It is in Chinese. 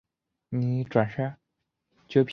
成功的模仿他的设计